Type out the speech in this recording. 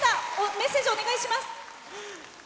メッセージお願いします。